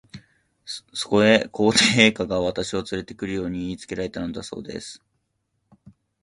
そこへ、皇帝陛下が、私をつれて来るよう言いつけられたのだそうです。